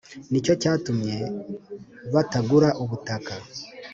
Ni cyo cyatumye batagura ubutaka